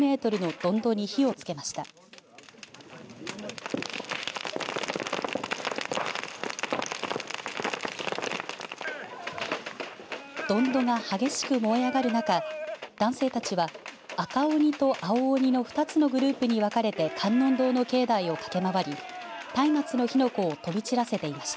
どんどが激しく燃え上がる中男性たちは、赤鬼と青鬼の２つのグループに分かれて観音堂の境内を駆け回りたいまつの火の粉を飛び散らせていました。